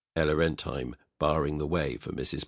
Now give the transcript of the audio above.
ELLA RENTHEIM. [Barring the way for MRS.